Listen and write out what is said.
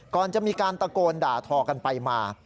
ก่อนจะมีการตะโกนด่าทอกันไปมา